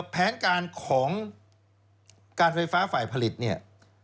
แผนการของการไฟฟ้าฝ่ายผลิตเนี่ย